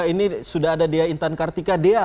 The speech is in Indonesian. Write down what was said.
ini sudah ada dian intan kartika